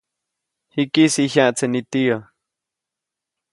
Jikis jiʼ jyaʼtse nitiyä.